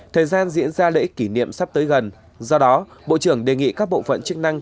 thời gian diễn ra lễ kỷ niệm sắp tới gần do đó bộ trưởng đề nghị các bộ phận chức năng